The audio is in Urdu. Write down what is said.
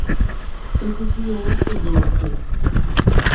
تو کسی اور کے زور پہ۔